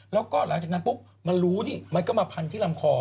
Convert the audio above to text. แล้วก็หลังจากนั้นปุ๊บมันรู้นี่มันก็มาพันที่ลำคอ